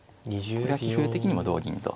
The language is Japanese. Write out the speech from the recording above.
これは棋風的にも同銀と。